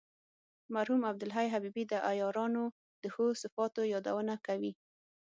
مرحوم عبدالحی حبیبي د عیارانو د ښو صفاتو یادونه کوي.